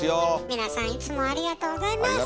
皆さんいつもありがとうございます。